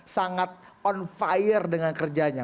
sangat on fire dengan kerjanya